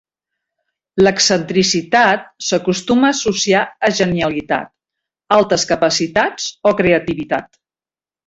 L'excentricitat s'acostuma a associar a genialitat, altes capacitats o creativitat.